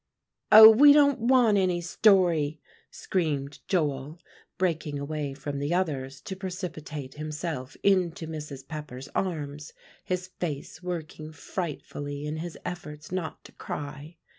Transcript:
"Oh, we don't want any story!" screamed Joel, breaking away from the others to precipitate himself into Mrs. Pepper's arms, his face working frightfully in his efforts not to cry.